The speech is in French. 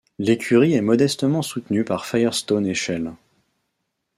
L’écurie est modestement soutenue par Firestone et Shell.